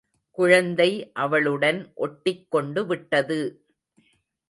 குழந்தை அவளுடன் ஒட்டிக் கொண்டுவிட்டது!